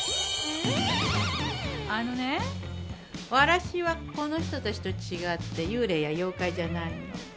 あのねわらしはこの人たちと違って幽霊や妖怪じゃないの。